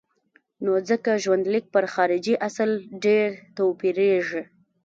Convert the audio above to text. نو ځکه ژوندلیک پر خارجي اصل ډېر توپیرېږي.